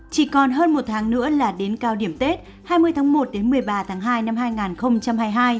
chỉ còn hơn một tháng nữa là đến cao điểm tết hai mươi tháng một đến một mươi ba tháng hai năm hai nghìn hai mươi hai